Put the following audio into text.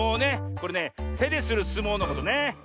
これねてでするすもうのことね。